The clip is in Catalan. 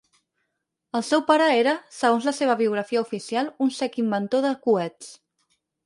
El seu pare era, segons la seva biografia oficial, un cec inventor de coets.